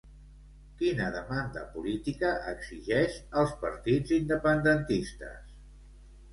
Quina demanda política exigeix als partits independentistes?